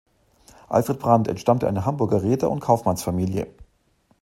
Alfred Brandt entstammte einer Hamburger Reeder- und Kaufmannsfamilie.